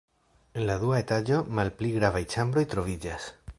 En la dua etaĝo malpli gravaj ĉambroj troviĝas.